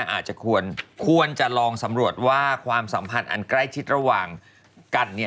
อาจจะควรจะลองสำรวจว่าความสัมพันธ์อันใกล้ชิดระหว่างกัน